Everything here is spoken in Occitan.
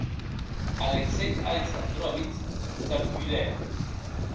Alexei Alexandrovic s'arturèc.